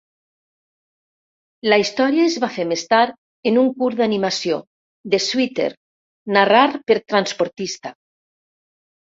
La història es va fer més tard en un curt d'animació, "The Sweater", narrar per transportista.